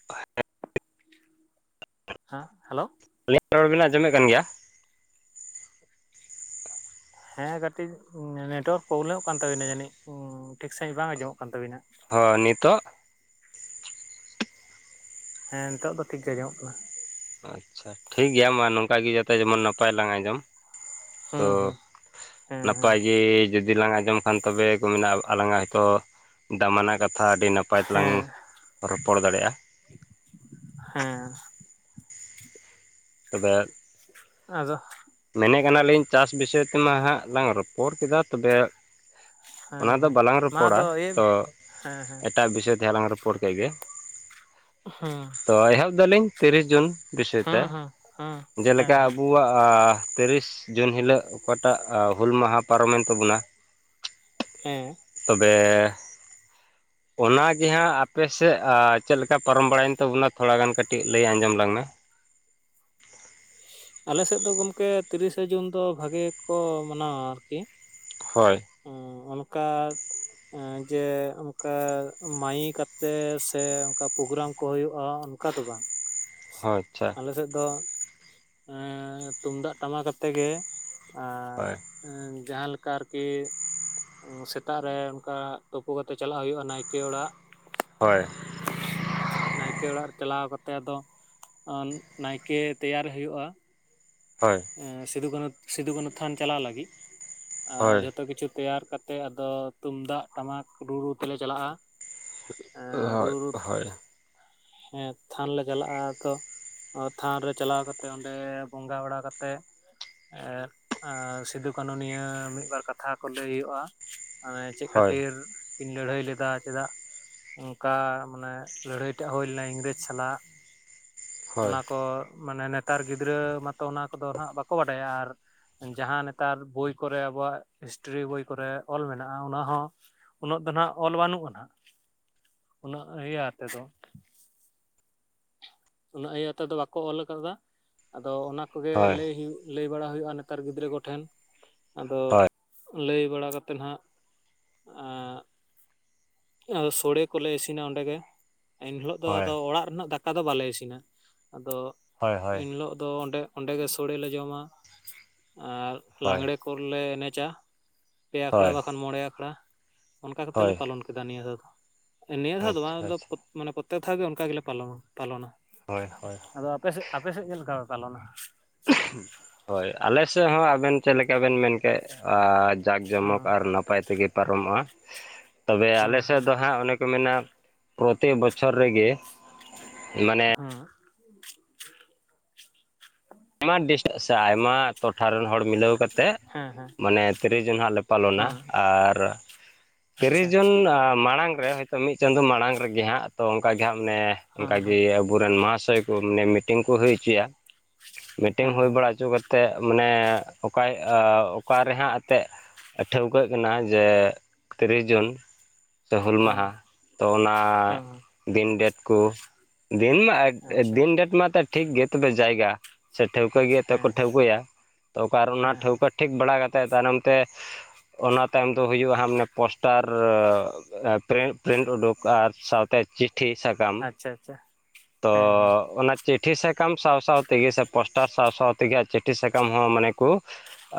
[unintelligible] ᱦᱮᱸ ᱦᱮᱞᱳ᱾ ᱟᱹᱞᱤᱧ ᱨᱚᱲ ᱵᱮᱱ ᱟᱡᱸᱡᱚᱢᱮᱜ ᱠᱟᱱ ᱜᱮᱭᱟ? ᱦᱮᱸ ᱠᱟᱹᱴᱤᱡ ᱱᱮᱴᱚᱣᱟᱨᱠ ᱯᱨᱚᱵᱞᱮᱢᱚᱜ ᱠᱟᱱ ᱛᱟᱹᱵᱤᱱᱟ ᱡᱟᱹᱱᱤᱡ ᱴᱷᱤᱠ ᱥᱟᱺᱦᱤᱡ ᱵᱟᱝ ᱟᱸᱡᱚᱢᱚᱜ ᱠᱟᱱ ᱛᱟᱹᱵᱤᱱᱟ᱾ ᱦᱚᱸ ᱱᱤᱛᱚᱜ? ᱦᱮᱸ ᱱᱤᱛᱚᱜ ᱫᱚ ᱴᱷᱤᱠ ᱜᱮ ᱟᱡᱚᱢᱚᱜ ᱠᱟᱱᱟ᱾ ᱟᱪᱪᱷᱟ ᱴᱷᱤᱠ ᱜᱮᱭᱟ ᱢᱟ ᱱᱚᱝᱠᱟ ᱜᱮ ᱡᱟᱛᱮ ᱡᱮᱢᱚᱱ ᱱᱟᱯᱟᱭ ᱞᱟᱝ ᱟᱡᱚᱢ᱾ ᱛᱚ ᱦᱩᱸ ᱦᱩᱸ ᱦᱮᱸ ᱦᱮᱸ ᱱᱟᱯᱟᱭ ᱜᱮ ᱡᱩ ᱫᱤ ᱞᱟᱝ ᱟᱸᱡᱚᱢ ᱠᱷᱟᱱ ᱛᱚᱵᱮ ᱠᱚ ᱢᱮᱱᱟ ᱟᱞᱟᱝᱟᱜ ᱦᱚᱭᱛᱳ ᱫᱟᱢᱟᱱᱟ ᱠᱟ ᱛᱷᱟ ᱟᱹᱰᱤ ᱱᱟᱯᱟᱭ ᱛᱮᱞᱟᱝ ᱦᱮᱸ ᱨᱚᱯᱚᱲ ᱫᱟᱲᱮᱜᱼᱟ ᱾ ᱦᱮᱸ ᱛᱚᱵᱮ ᱟᱫᱚ ᱢᱮᱱᱮᱜ ᱠᱟᱱᱟᱞᱤᱧ ᱪᱟᱥ ᱵᱤᱥᱚᱭ ᱛᱮᱢᱟ ᱦᱟᱸᱜ ᱞᱟᱝ ᱨᱚᱯᱚᱲ ᱠᱮᱫᱟ ᱛᱚᱵᱮ ᱦᱮᱸ ᱚᱱᱟ ᱫᱚ ᱦᱮᱸ ᱵᱟᱞᱟᱝ ᱢᱟ ᱨᱚᱯᱚᱲᱟ ᱟᱫᱚ ᱤᱭᱟᱹᱭ ᱢᱮ ᱛᱚ ᱦᱮᱸ ᱦᱮᱸ ᱮᱴᱟᱜ ᱵᱤᱥᱚᱭ ᱛᱮ ᱞᱟᱝ ᱨᱚᱯᱚᱲ ᱠᱮᱜ ᱜᱮ? ᱦᱩᱸ ᱾ ᱛᱚ ᱮᱦᱚᱵᱫᱟᱹᱞᱤᱧ ᱛᱤᱨᱤᱥ ᱡᱩᱱ ᱵᱤᱥᱚᱭ ᱛᱮ ᱦᱩᱸ ᱦᱩᱸ ᱦᱩᱸ ᱦᱮᱸ ᱡᱮᱞᱮᱠᱟ ᱦᱮᱸ ᱟᱵᱚᱣᱟᱜ ᱟ ᱛᱤᱨᱤᱥ ᱡᱩᱱ ᱦᱤᱞᱳᱜ ᱚᱠᱟᱴᱟᱜ ᱦᱩᱞ ᱢᱟᱦᱟ ᱯᱟᱨᱚᱢᱮᱱ ᱛᱟᱵᱚᱱᱟ᱾ ᱦᱮᱸ ᱾ ᱛᱚᱵᱮ [unintelligible] ᱚᱱᱟᱜᱮ ᱦᱟᱸᱜ ᱟᱯᱮ ᱥᱮᱫ ᱪᱮᱫ ᱞᱮᱠᱟ ᱯᱟᱨᱚᱢ ᱵᱟᱲᱟᱭᱮᱱ ᱛᱟᱵᱚᱱᱟ ᱛᱷᱚᱲᱟ ᱜᱟᱱ ᱠᱟᱹᱴᱤᱡ ᱞᱟᱹᱭ ᱟᱸᱡᱚᱢ ᱟᱞᱟᱝ ᱢᱮ᱾ ᱟᱞᱮ ᱥᱮᱫ ᱫᱚ ᱜᱚᱢᱠᱮ ᱛᱤᱨᱤᱥᱮ ᱡᱩᱱ ᱫᱚ ᱵᱷᱟᱜᱮ ᱜᱮᱠᱚ ᱢᱟᱱᱟᱣᱟ ᱟᱨᱠᱤ ᱦᱚᱭ ᱾ ᱚ ᱚᱱᱠᱟ ᱮᱸ ᱡᱮ ᱚᱱᱠᱟ ᱢᱟᱭᱤᱠ ᱠᱟᱛᱮᱜ ᱥᱮ ᱚᱱᱠᱟ ᱯᱨᱳᱜᱨᱟᱢ ᱠᱚ ᱦᱳᱭᱳᱜᱼᱟ ᱚᱝᱠᱟ ᱫᱚ ᱵᱟᱝ᱾ ᱦᱚ ᱟᱪᱪᱷᱟ᱾ ᱟᱞᱮ ᱥᱮᱫ ᱫᱚ ᱛᱩᱢᱫᱟᱜ ᱴᱟᱢᱟᱠ ᱟᱛᱮ ᱜᱮ ᱟᱨ ᱦᱳᱭ ᱟᱸ ᱡᱟᱦᱟ ᱞᱮᱠᱟ ᱟᱨᱠ ᱠᱤ ᱥᱮᱛᱟᱜ ᱨᱮ ᱚᱱᱠᱟ ᱛᱳᱯᱩ ᱠᱟᱛᱮᱜ ᱪᱟᱞᱟᱜ ᱦᱳᱭᱳᱜᱼᱟ ᱱᱟᱭᱠᱮ ᱚᱲᱟᱜ᱾ ᱦᱳᱭ ᱾ ᱱᱟᱭᱠᱮ ᱚᱲᱟᱜ ᱨᱮ ᱪᱟᱞᱟᱣ ᱠᱟᱛᱮ ᱟᱫᱚ ᱱᱟᱭᱠᱮ ᱛᱮᱭᱟᱨ ᱦᱳᱭᱳᱜᱼᱟ ᱾ ᱦᱳᱭ᱾ ᱮᱸ ᱥᱤᱫᱩ ᱠᱟᱹᱱᱩ ᱥᱤᱫᱩ ᱠᱟᱹᱱᱩ ᱛᱷᱟᱱ ᱪᱟᱞᱟᱣ ᱞᱟᱹᱜᱤᱫ ᱟᱸ ᱦᱳᱭ ᱡᱷᱚᱛᱚ ᱠᱤᱪᱷᱩ ᱛᱮᱭᱟᱨ ᱠᱟᱛ ᱛᱮ ᱟᱫᱚ ᱛᱩᱢᱫᱟᱜ ᱴᱟᱢᱟᱠ ᱨᱩ ᱨᱩ ᱛᱮᱞᱮ ᱪᱟᱞᱟᱜᱼᱟ᱾ ᱦᱚ ᱦᱚᱭ ᱾ ᱦᱮᱸ ᱛᱷᱟᱱ ᱞᱮ ᱪᱟᱞᱟᱜᱼᱟ ᱛᱚ ᱛᱷᱟᱱ ᱨᱮ ᱪᱟᱞᱟᱣ ᱠᱟᱛᱮᱜ ᱚᱸᱰᱮ ᱵᱚᱸᱜᱟ ᱵᱟᱲᱟ ᱠᱟᱛᱮ᱾ ᱛᱮ ᱥᱤᱫᱩ ᱠᱟᱹᱱᱩ ᱱᱤᱭᱟᱹ ᱢᱤᱫᱵᱟᱨ ᱠᱟᱛᱷᱟ ᱠᱚ ᱞᱟᱹᱭ ᱦᱩᱭᱩᱜ-ᱟ᱾ ᱢᱟᱱᱮ ᱪᱮᱫ ᱦᱳᱭ ᱠᱷᱟᱹᱛᱤᱨ ᱠᱤᱱ ᱞᱟᱹᱲᱦᱟᱹᱭ ᱞᱮᱫᱟ ᱪᱮᱫᱟᱜ ᱚᱝᱠᱟ ᱢᱟᱱᱮ ᱞᱟᱹᱲᱦᱟᱹᱭ ᱴᱟᱜ ᱦᱩᱭ ᱞᱮᱱᱟ ᱤᱝᱨᱮᱡᱽ ᱥᱟᱞᱟᱜ᱾ ᱦᱳᱭ ᱚᱱᱟ ᱠᱚ ᱢᱟᱱᱮ ᱱᱮᱛᱟᱨ ᱜᱤᱫᱽᱨᱟᱹ ᱢᱟᱛᱚ ᱚᱱᱟ ᱠᱚᱫᱚ ᱱᱟᱦᱟᱸᱜ ᱵᱟᱠᱚ ᱵᱟᱰᱟᱭᱟ ᱟᱨ ᱡᱟᱦᱟᱸ ᱱᱮᱛᱟᱨ ᱵᱳᱭ ᱠᱚᱨᱮ ᱟᱵᱚᱣᱟᱜ ᱦᱤᱥᱴᱨᱤ ᱵᱳᱭ ᱠᱚᱨᱮᱜ ᱚᱞ ᱢᱮᱱᱟᱜ-ᱟ ᱚᱱᱟᱦᱚᱸ ᱩᱱᱟᱹᱜ ᱫᱚ ᱱᱟᱦᱟᱸᱜ ᱚᱞ ᱵᱟᱹᱱᱩᱜ-ᱟ ᱦᱟᱸᱜ ᱩᱱᱟᱹᱜ ᱤᱭᱟᱹ ᱟᱛᱮᱫᱚ᱾ ᱩᱱᱟᱹᱜ ᱤᱭᱟᱹ ᱛᱮᱫᱚ ᱵᱟᱠᱚ ᱚᱞ ᱟᱠᱟᱫᱟ ᱟᱫᱚ ᱚᱱᱟ ᱠᱚᱜᱮ ᱦᱳᱭ ᱞᱟᱹᱭ ᱦᱩᱭᱩᱜ ᱞᱟᱹᱭ ᱵᱟᱲᱟ ᱦᱩᱭᱩᱜ-ᱟ ᱱᱮᱛᱟᱨ ᱜᱤᱫᱽᱨᱟᱹ ᱠᱚᱴᱷᱮᱱ ᱟᱫᱚ ᱦᱳᱭ ᱞᱟᱹᱭ ᱵᱟᱲᱟ ᱠᱟᱛᱮᱱ ᱦᱟᱸᱜ ᱟᱸᱜ ᱼᱼ ᱟᱫᱚ ᱥᱳᱲᱮ ᱠᱚᱞᱮ ᱤᱥᱤᱱᱟ ᱚᱱᱰᱮ ᱜᱮ ᱮᱱ ᱦᱤᱞᱚᱜ ᱫᱚ ᱦᱳᱭ ᱟᱫᱚ ᱚᱲᱟᱜ ᱨᱮᱱᱟᱜ ᱫᱟᱠ ᱟᱫᱚ ᱵᱟᱞᱮ ᱤᱥᱤᱱᱟ ᱟᱫᱚ ᱦᱳᱭ ᱦᱳᱭ ᱤᱱ ᱦᱤᱞᱳᱜ ᱫᱚ ᱚᱸᱰᱮ ᱚᱸᱰᱮ ᱜᱮ ᱥᱳᱲᱮ ᱞᱮ ᱡᱚᱢᱟ ᱟᱨ ᱦᱳᱭ ᱞᱟᱝᱜᱽᱬᱮ ᱠᱚᱞᱮ ᱮᱱᱮᱡᱟ᱾ ᱯᱮ ᱦᱳᱭ ᱟᱠᱷᱲᱟ ᱵᱟᱠᱷᱟᱱ ᱢᱚᱬᱮ ᱟᱠᱷᱲᱟ ᱚᱱᱠᱟ ᱠᱟᱛᱮ ᱞᱮ ᱦᱳᱭ ᱯᱟᱞᱚᱱ ᱠᱮᱫᱟ ᱱᱤᱭᱟᱹ ᱫᱷᱟᱣ ᱫᱚ᱾ ᱮ‌ ᱱᱤᱭᱟᱹ ᱫᱷᱟᱣ ᱫᱚ ᱟᱪᱪᱷᱟ ᱵᱟᱝ ᱫᱚ ᱟᱪᱪᱷᱟ ᱯᱳᱛ ᱢᱟᱱᱮ ᱯᱚᱛᱛᱮᱠ ᱫᱷᱟᱣ ᱜᱮ ᱚᱱᱠᱟ ᱜᱮᱞᱮ ᱯᱟᱞᱚᱱᱟ ᱯᱟᱞᱚᱱᱟ᱾ ᱦᱳᱭ ᱦᱳᱭ᱾ ᱟᱫᱚ ᱟᱯᱮ ᱥᱮᱜ ᱟᱯᱮ ᱥᱮᱜ ᱪᱮᱜ ᱞᱮᱠᱟ ᱯᱮ ᱯᱟᱞᱚᱱᱟ? ᱦᱳᱭ, ᱟᱞᱮ ᱥᱮᱜ ᱦᱚᱸ ᱟᱵᱮᱱ ᱪᱮᱜ ᱞᱮᱠᱟ ᱵᱮᱱ ᱢᱮᱱ ᱠᱮᱜ ᱟᱡ ᱡᱟᱠ ᱡᱚᱢᱚᱠ ᱟᱨ ᱱᱟᱯᱟᱭ ᱛᱮᱜᱮ ᱯᱟᱨᱚᱢᱚᱜ-ᱟ᱾ ᱛᱚᱵᱮ ᱦᱮᱸ ᱟᱞᱮ ᱦᱮᱸ ᱥᱮᱜ ᱫᱚ ᱦᱟᱸᱜ ᱚᱱᱮ ᱠᱚ ᱢᱮᱱᱟ ᱯᱨᱚᱛᱮᱠ ᱵᱚᱪᱷᱚᱨ ᱨᱮᱜᱮ ᱢᱟᱱᱮ [unintelligible] ᱟᱭᱢᱟ ᱰᱤᱥᱴ ᱥᱮ ᱟᱭᱢᱟ ᱴᱚᱴᱷᱟ ᱨᱮᱱ ᱦᱚᱲ ᱢᱤᱞᱟᱹᱣ ᱠᱟᱛᱮᱜ ᱦᱮᱸ ᱦᱮᱸ ᱦᱮᱸ ᱢᱟᱱᱮ ᱛᱤᱨᱤᱥ ᱡᱩᱱ ᱦᱟᱸᱜ ᱞᱮ ᱯᱟᱞᱚᱱᱟ ᱦᱮᱸ ᱟᱨ ᱛᱤᱨᱤᱥ ᱟᱪᱪᱷᱟ ᱡᱩᱱ ᱢᱟᱬᱟᱝ ᱨᱮ ᱦᱳᱭᱛᱳ ᱢᱤᱫ ᱪᱟᱸᱫᱳ ᱢᱟᱬᱟᱝ ᱨᱮᱜᱮ ᱦᱟᱸᱜ ᱛᱚ ᱚᱱᱠᱟ ᱜᱮ ᱦᱟᱸᱜ ᱢᱟᱱᱮ ᱦᱮᱸ ᱚᱱᱠᱟ ᱦᱮᱸ ᱜᱤ‌ ᱟᱹᱵᱩ ᱨᱮᱱ ᱢᱟᱦᱟᱥᱚᱭ ᱠᱩ, ᱢᱟᱱᱮ ᱢᱤᱴᱤᱝ ᱠᱩ ᱦᱩᱭ ᱩᱪᱩ ᱭᱟ᱾ ᱢᱤᱴᱤᱝ ᱦᱮᱸ ᱦᱩᱭ ᱦᱮᱸ ᱵᱟᱲᱟ ᱩᱪᱩ ᱠᱟᱛᱮᱜ ᱢᱟᱱᱮ ᱚᱠᱟ‌ᱭ ᱚ ᱚᱠᱟ ᱨᱮᱦᱟᱸᱜ ᱟᱛᱮᱜ ᱴᱷᱟᱹᱣᱠᱟᱹᱜ ᱠᱟᱱᱟ ᱡᱮ ᱛᱤᱨᱤᱥ ᱡᱩᱱ᱾ ᱥᱮ ᱦᱩᱞ ᱢᱟᱦᱟᱸ, ᱛᱚ ᱚᱱᱟ ᱦᱮᱸ ᱦᱮᱸ ᱫᱤᱱ ᱰᱮᱴ ᱠᱩ᱾ ᱫᱤᱱ ᱢᱟ ᱮ ᱟᱪᱪᱷᱟ ᱫᱤᱱ ᱰᱮᱴ ᱢᱟ ᱛᱟᱠ ᱴᱷᱤᱠ ᱜᱮ ᱛᱚᱵᱮ ᱡᱟᱭᱜᱟ ᱥᱮ ᱴᱷᱟᱹᱣᱠᱟᱹ ᱜᱮ ᱮᱛᱮᱜ ᱦᱮᱸ ᱠᱚ ᱦᱮᱸ ᱴᱷᱟᱹᱣᱠᱟᱹ ᱭᱟ ᱛᱚ ᱚᱠᱟ ᱨᱮ ᱚᱱᱟ ᱦᱮᱸ ᱦᱮᱸ ᱴᱷᱟᱹᱣᱠᱟᱹ ᱴᱷᱤᱠ ᱵᱟᱲᱟ ᱠᱟᱛᱮᱜ ᱛᱟᱭᱱᱚᱢ ᱛᱮ ᱚᱱᱟ ᱛᱟᱭᱚᱢ ᱫᱚ ᱦᱩᱭᱩᱜ-ᱟ ᱦᱟᱸᱜ ᱢᱟᱱᱮ ᱯᱳᱥᱴᱟᱨ ᱮᱵ ᱯᱨᱤᱱᱴ ᱯᱨᱤᱱᱴ‌ ᱩᱰᱩᱠ ᱟᱨ ᱥᱟᱶᱛᱮ ᱪᱤᱴᱷᱤ ᱥᱟᱠᱟᱢ ᱟᱪᱪᱷᱟ ᱟᱪᱪᱷᱟ ᱛᱚ ᱦᱮᱸ ᱦᱮᱸ ᱚᱱᱟ ᱪᱤᱴᱷᱤ ᱥᱟᱠᱟᱢ ᱥᱟᱶ ᱥᱟᱶ ᱛᱮᱜᱮ ᱥᱮ ᱯᱚᱥᱴᱟᱨ ᱥᱟᱶ ᱥᱟᱶ ᱛᱮᱜᱮ ᱦᱟᱸᱜ ᱪᱤᱴᱷᱤ ᱥᱟᱠᱟᱢ ᱦᱚᱸ ᱢᱟᱱᱮ ᱠᱩ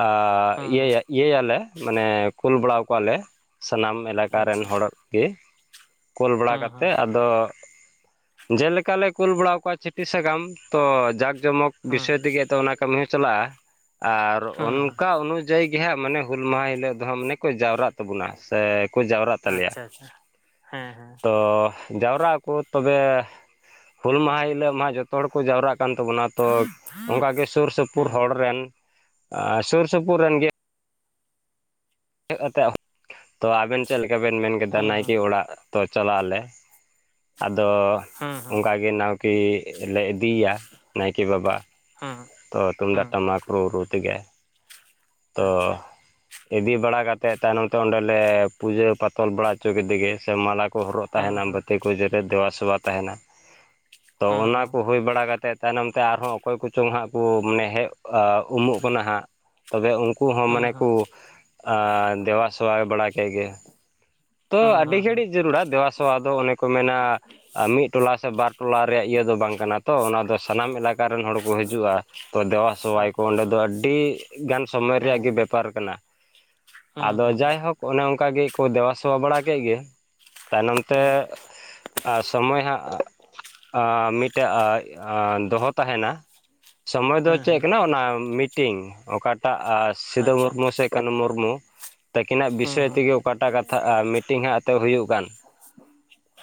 ᱟᱻ ᱦᱩᱸ ᱤᱭᱟᱹ ᱦᱩᱸ ᱭᱟ ᱤᱭᱟᱹ ᱭᱟᱞᱮ ᱢᱟᱱᱮ ᱠᱩᱞ ᱵᱟᱲᱟᱣᱟᱠᱚᱣᱟ ᱞᱮ ᱥᱟᱱᱟᱢ ᱮᱞᱟᱠᱟ ᱨᱮᱱ ᱟᱪᱪᱷᱟ ᱦᱚᱲ ᱜᱮ ᱠᱳᱞ ᱵᱟᱲᱟ ᱦᱩᱸ ᱦᱩᱸ ᱠᱟᱛᱮᱜ ᱟᱫᱚ ᱡᱮᱞᱮᱠᱟ ᱞᱮ ᱠᱩᱞ ᱵᱟᱲᱟᱣ ᱠᱚᱣᱟ ᱪᱷᱤᱴᱷᱤ ᱥᱟᱠᱟᱢ ᱛᱚ ᱡᱟᱠ ᱡᱚᱢᱚᱠ ᱦᱩᱸ ᱵᱤᱥᱚᱭ ᱛᱮᱜᱮ ᱮᱛᱚ ᱚᱱᱟ ᱠᱟᱹᱢᱤ ᱦᱚᱸ ᱪᱟᱞᱟᱜ-ᱟ᱾ ᱟᱨ ᱦᱩᱸ ᱦᱩᱸ ᱚᱱᱠᱟ ᱚᱱᱩᱡᱟᱭᱤ ᱜᱮ ᱦᱟᱸᱜ ᱢᱟᱱᱮ ᱦᱩᱞ ᱢᱟᱦᱟᱸ ᱦᱤᱞᱟᱹᱜ ᱫᱚ ᱦᱟᱸᱜ ᱢᱟᱱᱮ ᱠᱚ ᱡᱟᱣᱨᱟᱜ ᱛᱟᱹᱵᱩᱱᱟ ᱥᱮ ᱠᱚ ᱡᱟᱣᱨᱟᱜ ᱛᱟᱞᱮᱭᱟ᱾ ᱟᱪᱪᱷᱟ ᱟᱪᱪᱷᱟ, ᱦᱮᱸ ᱦᱮᱸ᱾ ᱛᱚ ᱡᱟᱣᱨᱟᱜ ᱟᱠᱚ ᱛᱚᱵᱮ ᱦᱩᱞ ᱢᱟᱦᱟᱸ ᱦᱤᱞᱟᱹᱜ ᱢᱟ ᱦᱟᱸᱜ ᱡᱚᱛᱚ ᱦᱚᱲ ᱠᱚ ᱡᱟᱣᱨᱟᱜ ᱠᱟᱱ ᱛᱟᱹᱵᱩᱱᱟ ᱛᱚ ᱚᱝᱠᱟ ᱜᱮ ᱥᱩᱨ ᱥᱩᱯᱩᱨ ᱦᱮᱸ ᱦᱚᱲ ᱨᱮᱱ ᱟ ᱥᱩᱨ ᱥᱩᱯᱩᱨ ᱨᱮᱱ ᱜᱮ ᱛᱮᱜ ᱟᱛᱮᱜ, ᱛᱚ ᱟᱵᱮᱱ ᱪᱮᱜ ᱞᱮᱠᱟ ᱵᱮᱱ ᱢᱮᱱ ᱠᱮᱫᱟ ᱦᱩᱸ ᱱᱟᱭᱠᱮ ᱦᱩᱸ ᱚᱲᱟᱜ ᱛᱚ ᱪᱟᱞᱟᱜ ᱟᱞᱮ ᱟᱫᱚ ᱦᱩᱸ ᱚᱱᱠᱟ ᱜᱮ ᱱᱟᱣᱠᱤ ᱞᱮ ᱤᱫᱤᱭ ᱭᱟ᱾ ᱱᱟᱭᱠᱤ ᱵᱟᱵᱟ᱾ ᱦᱟᱸ᱾ ᱛᱚ ᱛᱩᱢᱫᱟᱜ ᱴᱟᱢᱟᱠ ᱨᱩ ᱨᱩ ᱛᱮᱜᱮ ᱛᱚᱼᱼ ᱟᱪᱪᱷᱟ ᱤᱫᱤ ᱵᱟᱲᱟ ᱠᱟᱛᱮᱜ ᱛᱟᱭᱱᱚᱢ ᱛᱮ ᱚᱸᱰᱮ ᱞᱮ ᱯᱩᱡᱟᱹ ᱯᱟᱛᱚᱞ ᱵᱟᱲᱟ ᱩᱪᱩ ᱠᱮᱫᱮ ᱜᱮ ᱥᱮ ᱢᱟᱞᱟᱠᱼᱼ ᱠᱚ ᱦᱚᱨᱚᱜ ᱦᱩᱸ ᱛᱟᱦᱮᱱᱟ ᱦᱩᱸ ᱵᱟᱹᱛᱤ ᱠᱩ ᱡᱮᱨᱮᱫ ᱫᱮᱵᱟ ᱥᱮᱵᱟ ᱛᱟᱦᱮᱱᱟ ᱛᱚ ᱦᱩᱸ ᱚᱱᱟ ᱠᱚ ᱦᱩᱸ ᱦᱩᱭ ᱵᱟᱲᱟ ᱠᱟᱛᱮᱫᱼᱼ ᱛᱟᱭᱱᱚᱢ ᱛᱮ ᱟᱨᱦᱚᱸ ᱚᱠᱚᱭ ᱠᱩ ᱪᱚᱝ ᱦᱟᱸᱜ ᱠᱩ ᱢᱟᱱᱮ ᱦᱮᱡ ᱚ ᱩᱢᱩᱜ ᱠᱟᱱᱟ ᱦᱟᱸᱜ᱾ ᱛᱚᱵᱮ ᱩᱝᱠᱩ ᱦᱚᱸ ᱦᱩᱸ ᱢᱟᱱᱮ ᱦᱩᱸ ᱠᱚ ᱟ‌ ᱫᱮᱣᱟᱼᱥᱮᱵᱟ ᱵᱟᱲᱟ ᱠᱮᱜ ᱜᱮ᱾ ᱛᱚ ᱦᱩᱸ ᱟᱹᱰᱤ ᱦᱩᱸ ᱦᱩᱸ ᱜᱷᱟᱹᱲᱤᱡ ᱡᱟᱹᱨᱩᱲᱟ ᱫᱮᱵᱟᱼᱥᱮᱵᱟ ᱫᱚ ᱚᱱᱮ ᱠᱚ ᱢᱮᱱᱟᱼᱼ ᱟᱻ ᱢᱤᱫ ᱴᱚᱞᱟ ᱥᱮ ᱵᱟᱨ ᱴᱚᱞᱟ ᱨᱮᱭᱟᱜ ᱤᱭᱟᱹ ᱫᱚ ᱵᱟᱝ ᱠᱟᱱᱟ ᱛᱚ ᱚᱱᱟ ᱫᱚ ᱥᱟᱱᱟᱢ ᱮᱞᱟᱠᱟ ᱨᱮᱱ ᱦᱚᱲ ᱠᱚ ᱦᱟᱹᱡᱩᱜ-ᱟ᱾ ᱛᱚ ᱫᱮᱵᱟ ᱥᱮᱵᱟᱭ ᱠᱚ ᱟᱪᱪᱷᱟ ᱚᱸᱰᱮ ᱟᱪᱪᱷᱟ ᱫᱚ ᱟᱹᱰᱤ ᱜᱟᱱ ᱥᱚᱢᱚᱭ ᱦᱮᱸ ᱨᱮᱭᱟᱜ ᱜᱮ ᱦᱮᱸ ᱵᱮᱯᱟᱨ ᱠᱟᱱᱟ᱾ ᱦᱩᱸ ᱟᱫᱚ ᱦᱩᱸ ᱦᱩᱸ ᱡᱟᱭᱦᱳᱠ ᱚᱱᱮ ᱚᱝᱠᱟ ᱜᱮᱠᱚ ᱫᱮᱣᱟ ᱥᱮᱣᱟ ᱵᱟᱲᱟ ᱠᱮᱜ ᱜᱮ ᱛᱟᱭᱱᱚᱢ ᱛᱮᱼᱼ ᱟᱨ ᱥᱚᱢᱚᱭ ᱦᱟᱜ ᱢᱤᱫᱴᱮᱡ ᱫᱚᱦᱚ ᱛᱟᱦᱮᱱᱟ᱾ ᱥᱚᱢᱚᱭ ᱫᱚ ᱦᱮᱸ ᱪᱮᱫ ᱦᱮᱸ ᱠᱟᱱᱟ ᱚᱱᱟ ᱢᱤᱴᱤᱝ ᱚᱠᱟᱴᱟᱜ ᱥᱤᱫᱩ ᱟᱪᱪᱷᱟ ᱢᱩᱨᱢᱩ ᱥᱮ ᱠᱟᱹᱱᱦᱩ ᱢᱩᱨᱢᱩ ᱛᱟᱹᱠᱤᱱᱟᱜ ᱦᱩᱸ ᱵᱤᱥᱚᱭ ᱦᱩᱸ ᱛᱮᱜᱮ ᱚᱠᱟᱴᱟᱜ ᱟᱜ ᱢᱤᱴᱤᱝ ᱦᱟᱸᱜ ᱮᱛᱮ ᱦᱩᱭᱩᱜ ᱠᱟᱱ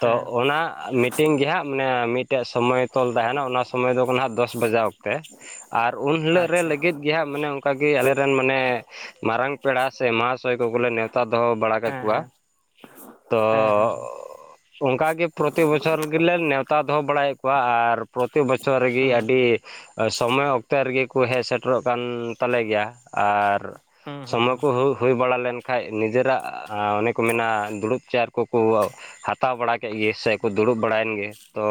ᱛᱚ ᱚᱱᱟ ᱢᱤ ᱢᱤᱫᱴᱝ ᱜᱮ ᱦᱟᱸᱜ ᱢᱟᱱᱮ ᱢᱤᱫᱴᱮᱡ ᱥᱚᱢᱚᱭ ᱛᱚᱞ ᱛᱟᱦᱮᱱᱟ ᱚᱱᱟ ᱥᱚᱢᱚᱭ ᱫᱚ ᱦᱟᱜ ᱫᱚᱥ ᱵᱟᱡᱟᱣ ᱛᱮ ᱟᱨ ᱩᱱ ᱦᱤᱞᱳᱜ ᱨᱮ ᱟᱪᱪᱷᱟ ᱞᱟᱹᱜᱤᱫ ᱜᱮ ᱦᱟᱸᱜ ᱢᱟᱱᱮ ᱚᱱᱠᱟ ᱜᱮ ᱟᱞᱮᱨᱮᱱ ᱢᱟᱱᱮ ᱢᱟᱨᱟᱝ ᱯᱮᱲᱟ ᱥᱮ ᱢᱚᱦᱟᱥᱚᱭ ᱠᱚᱜᱚᱞᱮ ᱱᱮᱣᱛᱟ ᱫᱚᱦᱚ ᱵᱟᱲᱟ ᱦᱮᱸ ᱠᱚᱣᱟ ᱦᱮᱸ ᱦᱮᱸ ᱦᱮᱸ ᱚᱱᱠᱟ ᱜᱮ ᱯᱨᱚᱛᱤ ᱵᱚᱪᱷᱚᱨ ᱜᱮᱞᱮ ᱱᱮᱣᱛᱟ ᱫᱚᱦᱚ ᱵᱟᱲᱟᱭᱮᱫ ᱠᱚᱣᱟ ᱟᱨ ᱯᱨᱚᱛᱤ ᱵᱚᱪᱷᱚᱨ ᱨᱮᱜᱮ ᱦᱩᱸ ᱟᱹᱰᱤ ᱥᱚᱢᱚᱭ ᱚᱠᱛᱚ ᱨᱮᱜᱮ ᱠᱚ ᱦᱮᱡ ᱥᱮᱴᱮᱨᱚᱜ ᱠᱟᱱ ᱛᱟᱞᱮ ᱜᱮᱭᱟ ᱟᱨ ᱦᱩᱸ ᱦᱩᱸ ᱥᱚᱢᱚᱭ ᱠᱚ ᱦᱩᱸ ᱦᱩᱭ ᱦᱩᱭ ᱵᱟᱲᱟ ᱞᱮᱱᱠᱷᱟᱡ ᱱᱤᱡᱮᱨᱟᱜ ᱚᱱᱮ ᱠᱚ ᱢᱮᱱᱟ ᱫᱩᱲᱩᱵ ᱪᱮᱭᱟᱨ ᱠᱚᱠᱚ ᱦᱟᱛᱟᱣ ᱵᱟᱲᱟ ᱠᱮᱫ ᱜᱮ ᱥᱮᱠᱚ ᱫᱩᱲᱩᱵ ᱵᱟᱲᱟᱭᱮᱱ ᱜᱮ ᱛᱚ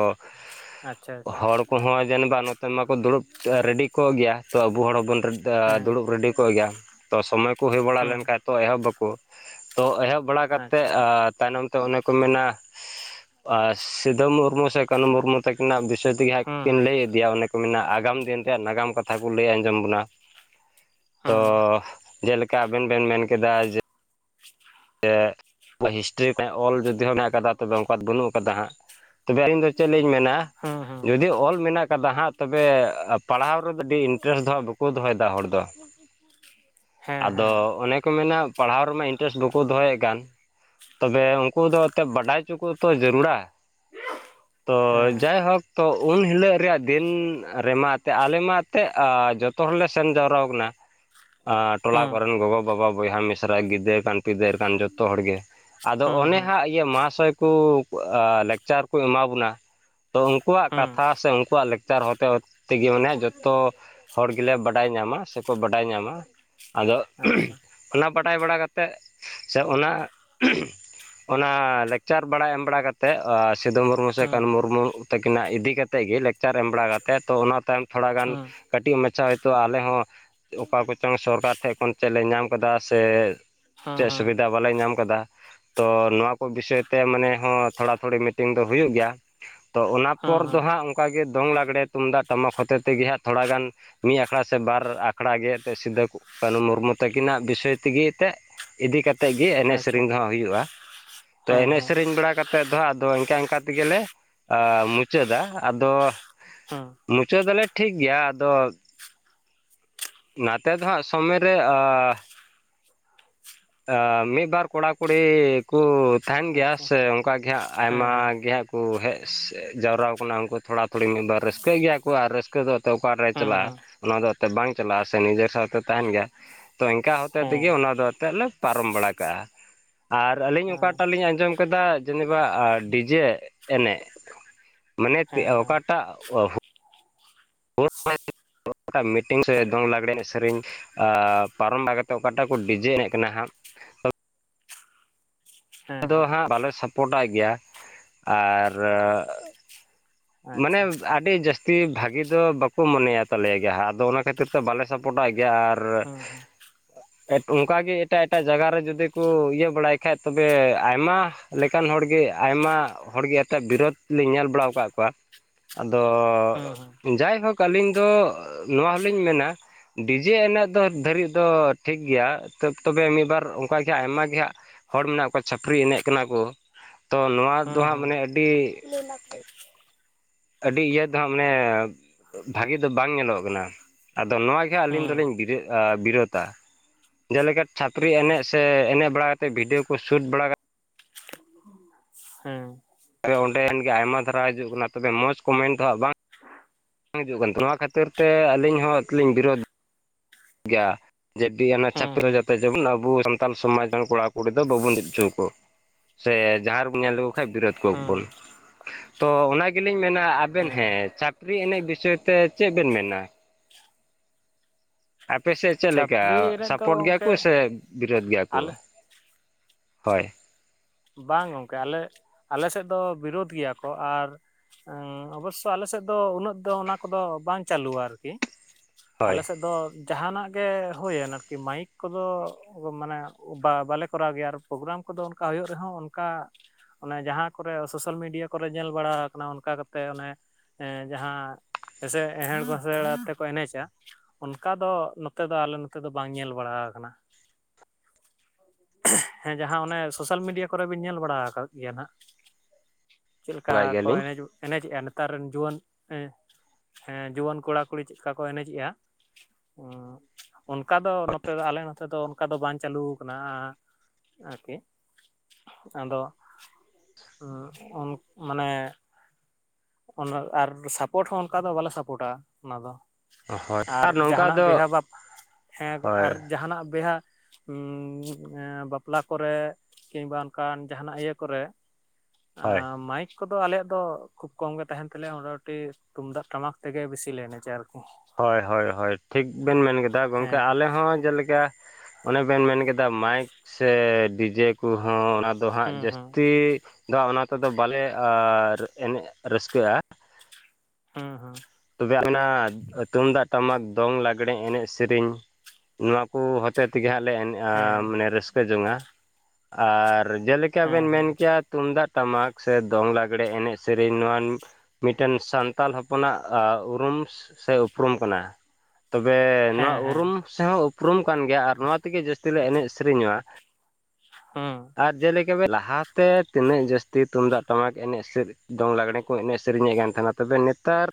ᱟᱪᱪᱷᱟ ᱟᱪᱪᱷᱟ ᱦᱚᱲ ᱠᱚᱦᱚᱸ ᱡᱮᱱ ᱱᱚᱛᱮ ᱢᱟᱠᱚ ᱫᱩᱲᱩᱵ ᱨᱮᱰᱤ ᱠᱚᱜ ᱜᱮᱭᱟ ᱛᱚ ᱟᱵᱚ ᱦᱚᱲ ᱦᱚᱸᱵᱚᱱ ᱦᱮᱸ ᱫᱩᱲᱩᱵ ᱨᱮᱰᱤ ᱠᱚᱜ ᱜᱮᱭᱟ ᱛᱚ ᱥᱚᱢᱚᱭ ᱠᱚ ᱦᱩᱭ ᱵᱟᱲᱟ ᱦᱩᱸ ᱞᱮᱱ ᱠᱷᱟᱱ ᱛᱚ ᱮᱦᱚᱵ ᱵᱟᱠᱚ᱾ ᱛᱚ ᱮᱦᱚᱵ ᱵᱟᱲᱟ ᱠᱟᱛᱮᱫ ᱟᱪᱪᱷᱟ ᱛᱟᱭᱱᱚᱢ ᱛᱮ ᱚᱱᱮ ᱠᱚ ᱢᱮᱱᱟ ᱟᱨ ᱥᱤᱫᱷᱩ ᱢᱩᱨᱢᱩ ᱥᱮ ᱠᱟᱹᱱᱩ ᱢᱩᱨᱢᱩ ᱛᱟᱹᱠᱤᱱᱟᱜ ᱵᱤᱥᱚᱭ ᱛᱮᱜᱮ ᱦᱟᱸᱜ ᱦᱩᱸ ᱠᱤᱱ ᱦᱩᱸ ᱞᱟᱹᱭ ᱤᱫᱤᱭᱟ ᱚᱱᱮ ᱢᱮᱱᱟᱜᱼᱟ ᱟᱜᱟᱢ ᱫᱤᱱ ᱨᱮᱭᱟᱜ ᱱᱟᱜᱟᱢ ᱠᱟᱛᱷᱟ ᱠᱚ ᱞᱟᱹᱭ ᱟᱸᱡᱚᱢ ᱵᱚᱱᱟ᱾ [unintelligible] ᱛᱚ ᱦᱩᱸ ᱡᱮᱞᱮᱠᱟ ᱟᱵᱮᱱ ᱵᱮᱱ ᱢᱮᱱ ᱠᱮᱫᱟᱮ ᱡᱮ ᱥᱮ ᱦᱤᱥᱴᱨᱤ ᱨᱮ ᱚᱞ ᱡᱩᱫᱤ ᱦᱚᱸ ᱢᱮᱱᱟᱜ ᱠᱟᱫᱟ ᱛᱚᱵᱮ ᱚᱱᱠᱟ ᱫᱚ ᱵᱟᱹᱱᱩᱜ ᱠᱟᱫᱟ ᱦᱟᱸᱜ ᱛᱚᱵᱮ ᱟᱹᱞᱤᱧ ᱫᱚ ᱪᱮᱫ ᱞᱤᱧ ᱢᱮᱱᱟ ᱦᱩᱸ ᱦᱩᱸ ᱡᱩᱫᱤ ᱚᱞ ᱢᱮᱱᱟᱜ ᱟᱠᱟᱫᱟ ᱦᱟᱸᱜ ᱛᱚᱵᱮ ᱯᱟᱲᱦᱟᱣ ᱨᱮᱫᱚ ᱟᱹᱰᱤ ᱤᱱᱴᱟᱨᱮᱥᱴ ᱫᱚᱦᱟᱸᱟᱜ ᱵᱟᱠᱚ ᱫᱚᱦᱚᱭᱮᱫᱟ ᱦᱚᱲ ᱫᱚ᱾ [unintelligible] ᱦᱮᱸ ᱟᱫᱚ ᱦᱮᱸ ᱚᱱᱮ ᱠᱚ ᱢᱮᱱᱟ ᱯᱟᱲᱦᱟᱣ ᱨᱮᱢᱟ ᱤᱱᱴᱮᱨᱮᱥᱴ ᱵᱩᱠ ᱠᱚ ᱫᱚᱦᱚᱭᱮᱫ ᱠᱟᱱ ᱛᱚᱵᱮ ᱩᱱᱠᱩ ᱫᱚ ᱮᱱᱛᱮᱫ ᱵᱟᱰᱟᱭ ᱦᱚᱪᱚ ᱠᱚᱛᱚ ᱡᱟᱹᱨᱩᱲᱟ᱾ [unintelligible] ᱛᱚ ᱡᱟᱭᱦᱳᱠ ᱛᱚ ᱩᱱ ᱦᱤᱞᱳᱜ ᱨᱮᱭᱟᱜ ᱫᱤᱱ ᱨᱮᱢᱟ ᱮᱛ ᱟᱞᱮ ᱢᱟ ᱛᱮᱜ ᱡᱚᱛᱚ ᱦᱚᱲ ᱞᱮ ᱥᱮᱱ ᱡᱟᱣᱨᱟ ᱠᱟᱱᱟ᱾ ᱴᱚᱞᱟ ᱦᱩᱸ ᱠᱚᱨᱮᱱ ᱜᱚᱜᱚ ᱵᱟᱵᱟ ᱵᱚᱭᱦᱟ ᱢᱤᱥᱨᱟ ᱜᱤᱫᱟᱹᱨ ᱠᱟᱱ ᱯᱤᱫᱟᱹᱨ ᱠᱟᱱ ᱡᱚᱛᱚ ᱦᱚᱲ ᱜᱮ᱾ ᱟᱫᱚ ᱦᱩᱸ ᱚᱱᱮ ᱦᱩᱸ ᱦᱟᱸᱜ ᱤᱭᱟᱹ ᱢᱚᱦᱟᱥᱚᱭ ᱠᱚ ᱞᱮᱠᱪᱟᱨ ᱠᱚ ᱮᱢᱟ ᱵᱚᱱᱟ ᱛᱚ ᱩᱱᱠᱩᱣᱟᱜ ᱦᱩᱸ ᱠᱟᱛᱷᱟ ᱥᱮ ᱩᱱᱠᱩᱣᱟᱜ ᱞᱮᱠᱪᱟᱨ ᱦᱚᱛᱮ ᱦᱚᱛᱮ ᱛᱮᱜᱮ ᱢᱟᱱᱮ ᱡᱚᱛᱚ ᱦᱚᱲ ᱜᱮᱞᱮ ᱵᱟᱰᱟᱭ ᱧᱟᱢᱟ ᱥᱮᱠᱚ ᱵᱟᱰᱟᱭ ᱧᱟᱢᱟ᱾ ᱟᱫᱚ ᱟᱪᱪᱷᱟ ᱚᱱᱟ ᱵᱟᱰᱟᱭ ᱵᱟᱲᱟ ᱠᱟᱛᱮᱫ ᱥᱮ ᱚᱱᱟ ᱚᱱᱟ ᱞᱮᱠᱪᱟᱨ ᱵᱟᱲᱟᱭ ᱮᱢ ᱵᱟᱲᱟ ᱠᱟᱛᱮᱫ ᱟ ᱥᱤᱫᱩ ᱢᱩᱨᱢᱩ ᱥᱮ ᱠᱟᱹᱱᱦᱩ ᱦᱩᱸ ᱢᱩᱨᱢᱩ ᱛᱟᱹᱠᱤᱱᱟᱜ ᱤᱫᱤ ᱠᱟᱛᱮᱫ ᱜᱮ ᱞᱮᱠ ᱪᱟᱨ ᱮᱢ ᱵᱟᱲᱟ ᱠᱟᱛᱮᱫ ᱛᱚ ᱚᱱᱟ ᱛᱟᱭᱚᱢ ᱛᱷᱚᱲᱟ ᱜᱟᱱ ᱦᱩᱸ ᱠᱟᱹᱴᱤᱡ ᱢᱟᱪᱷᱟ ᱦᱳᱭᱛᱳ ᱟᱞᱮ ᱦᱚᱸ ᱚᱠᱟ ᱠᱚᱪᱚᱝ ᱥᱚᱨᱠᱟᱨ ᱴᱷᱮᱡ ᱠᱷᱚᱱ ᱪᱮᱫ ᱞᱮ ᱧᱟᱢ ᱠᱟᱫᱟ ᱥᱮ ᱦᱩᱸ ᱪᱮᱫ ᱦᱩᱸ ᱥᱩᱵᱤᱫᱷᱟ ᱵᱟᱞᱮ ᱧᱟᱢ ᱠᱟᱫᱟ᱾ ᱛᱚ ᱱᱚᱣᱟ ᱠᱚ ᱵᱤᱥᱚᱭ ᱛᱮ ᱢᱟᱱᱮ ᱦᱚᱸ ᱛᱷᱚᱲᱟ ᱛᱷᱚᱲᱤ ᱢᱤᱴᱤᱝ ᱫᱚ ᱦᱩᱭᱩᱜ ᱜᱮᱭᱟ᱾ ᱛᱚ ᱚᱱᱟ ᱦᱩᱸ ᱯᱚᱨ ᱫᱚ ᱦᱩᱸ ᱦᱟᱸᱜ ᱚᱱᱠᱟ ᱜᱮ ᱫᱚᱝ ᱞᱟᱜᱽᱬᱮ ᱛᱩᱢᱫᱟᱜ ᱴᱟᱢᱟᱠ ᱦᱚᱛᱮ ᱛᱮᱜᱮ ᱦᱟᱸᱜ ᱛᱷᱚᱲᱟᱜᱟᱱ ᱢᱤᱫ ᱟᱠᱷᱲᱟ ᱥᱮ ᱵᱟᱨ ᱟᱠᱷᱲᱟ ᱜᱮ ᱮᱛᱮ ᱥᱤᱫᱟᱹ ᱠᱟᱹᱱᱦᱩ ᱢᱩᱨᱢᱩ ᱛᱟᱹᱠᱤᱱᱟᱜ ᱵᱤᱥᱚᱭ ᱛᱮᱜᱮ ᱛᱮᱜ ᱤᱫᱤ ᱠᱟᱛᱮᱫ ᱜᱮ ᱮᱱᱮᱡ ᱟᱪᱪᱷᱟ ᱥᱮᱨᱮᱧ ᱫᱚ ᱦᱟᱸᱜ ᱦᱩᱭᱩᱜ-ᱟ᱾ ᱛᱚ ᱦᱮᱸ ᱮᱱᱮᱡ ᱦᱮᱸ ᱥᱮᱨᱮᱧ ᱵᱟᱲᱟ ᱠᱟᱛᱮᱫ ᱫᱚ ᱟᱫᱚ ᱤᱱᱠᱟ-ᱤᱱᱠᱟ ᱛᱮᱜᱮ ᱞᱮ ᱟ ᱢᱩᱪᱟᱹᱫᱟ ᱟᱫᱚ ᱦᱮᱸ ᱢᱩᱪᱟᱹᱫᱟᱞᱮ ᱴᱷᱤᱠᱜᱭᱟ ᱟᱫᱚ ᱱᱟᱛᱮ ᱫᱚ ᱦᱟᱸᱜ ᱥᱚᱢᱚᱭ ᱨᱮ ᱟ ᱟ ᱢᱤᱫ ᱵᱟᱨ ᱠᱚᱲᱟ ᱠᱩᱲᱤ ᱠᱚ ᱛᱟᱦᱮᱱ ᱜᱮᱭᱟ ᱟᱪᱪᱷᱟ ᱥᱮ ᱠᱟ ᱜᱮ ᱦᱟᱸᱜ ᱦᱮᱸ ᱟᱭᱢᱟ ᱦᱮᱸ ᱜᱮ ᱦᱟᱸᱜ ᱠᱚ ᱦᱮᱡ ᱡᱟᱣᱨᱟ ᱟᱠᱟᱱᱟ ᱩᱱᱠᱩ ᱛᱷᱚᱲᱟ ᱛᱷᱩᱚᱲᱤ ᱢᱤᱫ ᱵᱟᱨ ᱨᱟᱹᱥᱠᱟᱹᱜ ᱜᱮᱭᱟ ᱠᱚ ᱟᱨ ᱨᱟᱹᱥ ᱠᱟᱹ ᱫᱚ ᱮᱛᱮ ᱚᱠᱟᱨᱮ ᱪᱟᱞᱟᱜ-ᱟ, ᱦᱮᱸ ᱚᱱᱟ ᱫᱚ ᱮᱱᱛᱮ ᱵᱟᱝ ᱪᱟᱞᱟᱜ-ᱟ ᱥᱮ ᱱᱤᱡᱮᱨ ᱥᱟᱶᱛᱮ ᱛᱟᱦᱮᱱ ᱜᱮᱭᱟ᱾ ᱛᱚ ᱤᱱᱠᱟᱹ ᱦᱚᱛᱮᱛ ᱦᱮᱸ ᱛᱮᱜᱮ ᱚᱱᱟ ᱫᱚ ᱮᱱᱛᱜ ᱞᱮ ᱯᱟᱨᱚᱢ ᱵᱟᱲᱟ ᱠᱟᱜ-ᱟ᱾ ᱟᱨ ᱟᱹᱞᱤᱧ ᱚᱠᱟᱴᱟᱜ ᱞᱤᱧ ᱟᱸᱡᱚᱢ ᱠᱮᱫᱟ ᱡᱮᱱᱮᱵᱟ ᱟ ᱰᱤᱡᱮ ᱮᱱᱮᱡ᱾ ᱢᱟᱱᱮ ᱦᱮᱸ ᱮᱛᱮᱜ ᱦᱮᱸ ᱚᱠᱟᱴᱟᱜ ᱦᱩ [inaudible] [unintelligible] ᱢᱤᱴᱤᱝ ᱥᱮ ᱫᱚᱝ ᱞᱟᱜᱽᱲᱮ ᱮᱱᱮᱡ ᱥᱮᱨᱮᱧ ᱟ ᱯᱟᱨᱚᱢ ᱵᱟᱲᱟ ᱠᱟᱛᱮᱫ ᱚᱠᱟᱴᱟᱜ ᱠᱚ ᱰᱤᱡᱮ ᱮᱱᱮᱡ ᱠᱟᱱᱟ ᱦᱟᱸᱜ᱾ ᱦᱮᱸ ᱟᱫᱚ ᱦᱮᱸ ᱦᱟᱸᱜ ᱵᱟᱞᱮ ᱥᱟᱯᱚᱴᱟᱭ ᱜᱮᱭᱟ, ᱟᱨ ᱢᱟᱱᱮ ᱟᱪᱪᱷᱟ ᱟᱹᱰᱤ ᱡᱟᱹᱥ ᱛᱤ ᱵᱷᱟᱜᱤ ᱫᱚ ᱵᱟᱠᱚ ᱢᱚᱱᱮᱭᱟ ᱛᱟᱞᱮᱭᱟ ᱜᱮᱭᱟ ᱦᱟᱸᱜ ᱟᱫᱚ ᱚᱱᱟ ᱠᱷᱟᱛᱤᱨ ᱛᱮ ᱵᱟᱞᱮ ᱥᱟᱯᱚᱴᱟᱭ ᱜᱮᱭᱟ ᱟᱨ ᱚᱸ ᱚ᱾ ᱮᱫ ᱚᱱᱠᱟᱜᱮ ᱮᱴᱟᱜ ᱮᱴᱟᱜ ᱡᱟᱭᱜᱟ ᱨᱮ ᱡᱩᱫᱤ ᱠᱚ ᱤᱭᱟᱹ ᱵᱟᱲᱟᱭ ᱠᱷᱟᱡ ᱛᱚᱵᱮ ᱟᱭᱢᱟ ᱞᱮᱠᱟᱱ ᱦᱚᱲᱜᱮ ᱟᱭᱢᱟ ᱦᱚᱲᱜᱮ ᱟᱛᱮᱜ ᱵᱤᱨᱳᱫ ᱞᱤᱧ ᱧᱮᱞ ᱵᱟᱲᱟᱣ ᱠᱟᱜ ᱠᱚᱣᱟ᱾ ᱟᱫᱚ ᱦᱮᱸ ᱦᱮᱸ ᱦᱮᱸ ᱡᱟᱭᱦᱳᱠ ᱟᱹᱞᱤᱧ ᱫᱚ ᱱᱚᱣᱟ ᱦᱚᱞᱤᱧ ᱢᱮᱱᱟ ᱰᱤᱡᱮ ᱮᱱᱮᱡ ᱫᱚ ᱫᱷᱟᱹᱨᱤᱡ ᱫᱚ ᱴᱷᱤᱠ ᱜᱮᱭᱟ ᱛᱟᱵ ᱛᱚᱵᱮ ᱢᱤᱫᱵᱟᱨ ᱚᱱᱠᱟᱜᱮ ᱟᱭᱢᱟ ᱜᱮ ᱦᱟᱸᱜ ᱦᱚᱲ ᱢᱮᱱᱟᱜ ᱠᱚᱣᱟ ᱪᱷᱟᱯᱨᱤ ᱮᱱᱮᱡ ᱠᱟᱱᱟ ᱠᱚ, ᱛᱚ ᱱᱚᱣᱟ ᱫᱚ ᱦᱟᱸᱜ ᱢᱟᱱᱮ ᱦᱮᱸ ᱟᱹᱰᱤ ᱟᱹᱰᱤ ᱤᱭᱟᱹ ᱫᱚ ᱦᱟᱸᱜ ᱢᱟᱱᱮ ᱵᱷᱟᱜᱮ ᱫᱚ ᱵᱟᱝ ᱧᱮᱞᱚᱜᱚᱜ ᱠᱟᱱᱟ᱾ ᱟᱫᱚ ᱱᱚᱣᱟ ᱜᱮ ᱦᱟᱸᱜ ᱟᱞᱤᱧ ᱫᱚᱞᱤᱧ ᱵᱤᱨᱟᱹᱜ-ᱟ ᱵᱤᱨᱳᱛᱟ᱾ ᱡᱮᱞᱮᱠᱟ ᱪᱷᱟᱯᱨᱤ ᱮᱱᱮᱡ ᱥᱮ ᱮᱱᱮᱡ ᱵᱟᱲᱟ ᱠᱟᱛᱮᱜ ᱵᱷᱤᱰᱤᱭᱳ ᱠᱚ ᱥᱩᱴ ᱵᱟᱲᱟ ᱠᱟᱛᱮᱫ ᱦᱮᱸ᱾ ᱯᱮ ᱚᱸᱰᱮ ᱠᱷᱟᱱ ᱜᱮ ᱟᱭᱢᱟ ᱫᱷᱟᱨᱟ ᱦᱤᱡᱩᱜ ᱠᱟᱱᱟ, ᱛᱚᱵᱮ ᱢᱚᱡᱽ ᱠᱚᱱᱢᱮᱱ ᱫᱚ ᱦᱟᱸᱜ ᱵᱟᱝ ᱵᱟᱝ ᱦᱤᱡᱩᱜ ᱠᱟᱱ ᱨᱟᱦᱮᱱᱟ, ᱱᱚᱣᱟ ᱠᱷᱟᱛᱤᱨ ᱛᱮ ᱟᱞᱤᱧ ᱦᱚᱸ ᱞᱤᱧ ᱵᱤᱨᱳᱫ ᱜᱮᱭᱟ᱾ ᱡᱮᱴᱤ ᱚᱱᱟ ᱦᱮᱸ ᱦᱮᱸ ᱪᱷᱟᱯᱨᱤ ᱠᱚ ᱦᱮᱸ ᱡᱟᱛᱮ ᱡᱮᱢᱚᱱ ᱟᱵᱚ ᱥᱟᱱᱛᱟᱞ ᱥᱚᱢᱟᱡᱽ ᱨᱮᱱ ᱠᱚᱲᱟ ᱠᱩᱲᱤ ᱫᱚ ᱵᱟᱵᱚᱱ ᱡᱟᱹᱯᱤᱫ ᱦᱚᱪᱚᱣᱠᱚ ᱠᱚᱣᱟ᱾ ᱥᱮ ᱡᱟᱦᱟᱸ ᱨᱮᱵᱚᱱ ᱧᱮᱞ ᱞᱮᱠᱚ ᱠᱷᱟᱱᱡ ᱵᱤᱨᱳᱫ ᱠᱚᱣᱟ ᱵᱚᱱ᱾ ᱛᱚ ᱚᱱᱟ ᱜᱮᱞᱤᱧ ᱢᱮᱱᱟ ᱟᱵᱮᱱ ᱦᱮᱸ ᱪᱷᱟᱯᱨᱤ ᱮᱱᱮᱡ ᱵᱤᱥᱚᱭ ᱛᱮ ᱪᱮᱫ ᱵᱮᱱ ᱢᱮᱱᱟ? ᱟᱯᱮ ᱥᱮᱡ ᱪᱮᱫ ᱞᱮᱠᱟ ᱪᱷᱟᱹᱯᱨᱤ ᱮᱱᱮᱡ ᱫᱚ ᱥᱟᱯᱳᱨᱴ ᱜᱮᱭᱟ ᱠᱚ ᱜᱚᱝᱠᱮ ᱥᱮ ᱵᱤᱨᱳᱫ ᱜᱮᱭᱟ ᱠᱚ? ᱟᱞᱮ ᱦᱳᱭ᱾ ᱵᱟᱝ ᱜᱚᱝᱠᱮ ᱟᱞᱮ ᱟᱞᱮ ᱥᱮᱫ ᱫᱚ ᱵᱤᱨᱳᱫ ᱜᱮᱭᱟ ᱠᱚ, ᱟᱨᱷᱴ ᱟᱸᱝ ᱚᱵᱳᱥᱥᱚ ᱟᱞᱮ ᱥᱮᱫ ᱫᱚ ᱩᱱᱟᱹᱜ ᱫᱚ ᱚᱱᱟ ᱠᱚᱫᱚ ᱵᱟᱝ ᱪᱟᱹᱞᱩᱣᱟ ᱟᱨᱠᱤ᱾ ᱦᱳᱭ ᱟᱞᱮ ᱥᱮᱫ ᱫᱚ ᱡᱟᱦᱟᱱᱟᱜ ᱜᱮ ᱦᱳᱭᱮᱱ ᱟᱨᱠᱤ ᱢᱟᱭᱤᱠ ᱠᱚᱫᱚ, ᱢᱟᱱᱮ ᱵᱟ ᱵᱟᱞᱮ ᱠᱚᱨᱟᱣ ᱜᱮᱭᱟ, ᱟᱨ ᱯᱨᱳᱜᱨᱟᱢ ᱠᱚᱫᱚ ᱚᱱᱠᱟ ᱦᱳᱭᱳᱜ ᱨᱮᱦᱚᱸ ᱚᱱᱠᱟ ᱚᱱᱮ ᱡᱟᱦᱟᱸ ᱠᱚᱨᱮ ᱥᱳᱥᱟᱞ ᱢᱤᱰᱤᱭᱟ ᱠᱚᱨᱮ, ᱧᱮᱞ ᱵᱟᱲᱟ ᱠᱟᱱᱟ ᱚᱱᱠᱟ ᱠᱟᱛᱮᱜ ᱚᱱᱮ ᱡᱟᱦᱟᱸ ᱮᱥᱮ ᱮᱦᱮᱲ ᱜᱳᱥᱮᱲ ᱟᱛᱮᱠᱚ ᱮᱱᱮᱪᱽ ᱪᱟ᱾ ᱚᱱᱠᱟ ᱫᱚ ᱱᱚᱛᱮ ᱫᱚ, ᱟᱞᱮ ᱱᱚᱛᱮ ᱫᱚ, ᱵᱟᱝ ᱧᱮᱞ ᱵᱟᱲᱟ ᱠᱟᱱᱟ᱾ ᱦᱮᱸ ᱡᱟᱦᱟᱸ ᱚᱱᱮ ᱥᱳᱥᱟ ᱥᱳᱥᱟᱞ ᱢᱤᱰᱤᱭᱟ ᱠᱚᱨᱮ ᱵᱤᱱ ᱧᱮᱞ ᱵᱟᱲᱟ ᱠᱟᱜ ᱜᱮᱭᱟ ᱱᱟᱷᱟᱜ, ᱪᱮᱫ ᱞᱮᱠᱟ ᱵᱟᱲᱟᱭ ᱠᱚ ᱜᱮᱭᱟᱞᱤᱧ ᱮᱱᱮᱡ ᱮᱱᱮ ᱡᱮᱜᱼᱟ, ᱱᱮᱛᱟᱨ ᱨᱮᱱ ᱡᱩᱣᱟᱹᱱ ᱦᱮᱸ ᱡᱩᱣᱟᱹᱱ ᱠᱚᱲᱟᱼᱠᱩᱲᱤ ᱪᱮᱫᱠᱟ ᱠᱚ ᱮᱱᱮᱡ ᱡᱮᱜᱼᱟ? ᱚᱱᱠᱟ ᱫᱚ, ᱱᱚᱛᱮ ᱫᱚ, ᱟᱞᱮ ᱱᱚᱛᱮ ᱫᱚ ᱠᱟ ᱫᱚ ᱵᱟᱝ ᱪᱟᱹᱞᱩ ᱠᱟᱱᱟ ᱟᱨᱠᱤ᱾ ᱟᱫᱚ ᱩᱱ ᱢᱟᱱᱮ ᱚᱱᱟ ᱟᱨ ᱥᱟᱯᱳᱴ ᱦᱚᱸ, ᱚᱱᱠᱟ ᱫᱚ ᱵᱟᱞᱮ ᱥᱟᱯᱚᱴᱟ ᱚᱱᱟ ᱫᱚ᱾ ᱦᱳᱭ ᱟᱨ ᱱᱚᱝᱠᱟ ᱡᱟᱦᱟᱱᱟᱜ ᱫᱚ ᱵᱤᱦᱟᱹ, ᱵᱟᱯ ᱦᱮᱸ ᱦᱳᱭ ᱟᱨ ᱡᱟᱦᱟᱱᱟᱜ ᱵᱤᱦᱟ ᱵᱟᱯᱞᱟ ᱠᱚᱨᱮ, ᱠᱤᱝᱵᱟ ᱚᱱᱠᱟᱱ ᱡᱟᱦᱟ ᱱᱟᱜ ᱤᱭᱟᱹ ᱠᱚᱨᱮ ᱦᱳᱭ ᱟᱸ ᱢᱟᱭᱤᱠ ᱠᱚᱫᱚ ᱟᱞᱮᱭᱟᱜ ᱫᱚ ᱠᱷᱩᱵ ᱠᱚᱢ ᱜᱮ ᱛᱟᱦᱮᱱ ᱛᱟᱞᱮᱭᱟ, ᱢᱳᱴᱟᱢᱩᱴᱤ ᱛᱩᱢᱫᱟᱜ ᱴᱟᱢᱟᱠ ᱛᱮᱜᱮ ᱵᱮᱥᱤ ᱞᱮ ᱮᱱᱮᱡᱟ, ᱟᱨ ᱦᱚᱭ, ᱦᱚᱭ, ᱦᱚᱭ, ᱴᱷᱤᱠ ᱵᱮᱱ ᱢᱮᱱ ᱠᱮᱫᱟ ᱜᱚᱝᱠᱮ ᱦᱮᱸ ᱟᱞᱮ ᱦᱚᱸ ᱡᱮᱞᱮᱠᱟ ᱚᱱᱮ ᱵᱮᱱ ᱢᱮᱱ ᱠᱮᱫᱟ, ᱢᱟᱭᱤᱠ ᱥᱮ ᱰᱤᱡᱮ ᱠᱚᱦᱚᱸ ᱚᱱᱟ ᱫᱚ ᱦᱟᱸᱜ ᱦᱩᱸ ᱦᱩᱸ ᱡᱟᱹᱥᱛᱤ ᱫᱚ ᱚᱱᱟ ᱛᱮᱫᱚ ᱵᱟᱞᱮ ᱮᱱᱮᱡ ᱨᱟᱹᱥᱠᱟᱹᱼᱟ᱾ ᱦᱮᱸ ᱦᱮᱸ᱾ ᱛᱚᱵᱮ ᱟᱵᱤᱱᱟᱜ ᱛᱩᱢ ᱫᱟᱜ ᱴᱟᱢᱟᱠ ᱫᱚᱝ ᱞᱟᱜᱽᱲᱮ, ᱮᱱᱮᱡ ᱥᱮᱨᱮᱧ ᱥᱮᱨᱮᱧ, ᱱᱚᱣᱟ ᱠᱚ ᱦᱚᱛᱮ ᱛᱮ ᱜᱮ ᱦᱟᱸᱜ ᱞᱮ ᱮᱱᱮ ᱟ ᱦᱮᱸ ᱢᱟᱱᱮ ᱨᱟᱹᱥᱠᱟᱹ ᱡᱚᱝᱟ, ᱟᱨ ᱡᱮᱞᱮᱠᱟ ᱦᱮᱸ ᱵᱮᱱ ᱢᱮᱱ ᱦᱮᱸ ᱠᱮᱜᱼᱟ ᱛᱩᱢᱫᱟᱜ ᱴᱟᱢᱟᱠ ᱥᱮ ᱫᱚᱝ ᱞᱟᱜᱽᱲᱮ ᱮᱱᱮᱡ ᱥᱮᱨᱮᱧ, ᱱᱚᱣᱟ ᱢᱤᱫ ᱴᱮᱱ ᱥᱟᱱᱛᱟᱞ ᱦᱚᱯᱚᱱᱟᱜ ᱩᱨᱩᱢ ᱥᱮ ᱩᱯᱨᱩᱢ ᱠᱟᱱᱟ, ᱛᱚᱵᱮ ᱦᱮᱸ ᱱᱚᱣᱟ ᱦᱮᱸ ᱩᱨᱩᱢ ᱥᱮᱦᱚᱸ ᱩᱯᱨᱩᱢ ᱠᱟᱱ ᱜᱮᱭᱟ, ᱟᱨ ᱱᱚᱣᱟ ᱛᱮᱜᱮ ᱡᱟᱹᱥᱛᱤ ᱞᱮ ᱮᱱᱮᱡ ᱥᱮᱨᱮᱧᱟ᱾ ᱦᱮᱸ ᱟᱨ ᱡᱮᱞᱮᱠᱟ ᱞᱟᱦᱟᱛᱮ, ᱛᱤᱱᱟᱹᱜ ᱡᱟᱹᱥᱛᱤ ᱛᱩᱢᱫᱟᱜ ᱴᱟᱢᱟᱠ ᱮᱱᱮᱡ ᱥᱮᱨᱮᱧ᱾ ᱫᱚᱝ ᱞᱟᱜᱽᱲᱮ ᱠᱚ, ᱮᱱᱮᱡ ᱥᱮᱨᱮᱧᱮᱫ ᱠᱟᱱ ᱛᱟᱦᱮᱱᱟ, ᱛᱚᱵᱮ ᱱᱮᱛᱟᱨ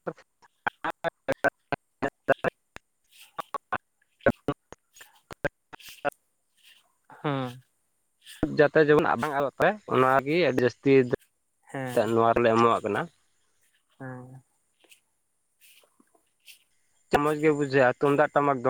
[inaudible] [unintelligible] [unintelligible] [inaudible] [inaudible] [unintelligible] ᱦᱩᱸ, ᱡᱟᱛᱮ ᱡᱮᱢᱚᱱ ᱟᱵᱟᱝ ᱟᱨ ᱯᱮ, ᱚᱱᱟᱜᱮ ᱟᱹᱰᱤ ᱡᱟᱹᱥᱛᱤ ᱦᱮᱸ ᱱᱚᱣᱟ ᱨᱮᱞᱮ ᱮᱢᱚᱣᱟᱜ ᱠᱟᱱᱟ᱾ ᱦᱮᱸ, ᱥᱮ ᱢᱚᱸᱡᱽ ᱜᱮ ᱵᱩᱡᱷᱟᱹᱜᱼᱟ, ᱛᱩᱢᱫᱟᱜ ᱴᱟᱢᱟᱠ ᱫᱚ᱾